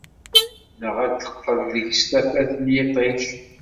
Neɣ ad teqqel deg-s tafat n yiṭij.